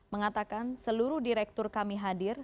mengatakan seluruh direktur kami hadir